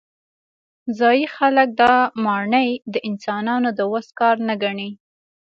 ځايي خلک دا ماڼۍ د انسانانو د وس کار نه ګڼي.